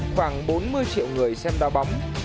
khoảng bốn mươi triệu người xem đo bóng